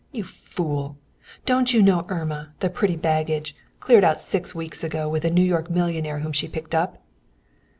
You fool! Don't you know Irma, the pretty baggage, cleared out six weeks ago with a New York millionaire whom she picked up?"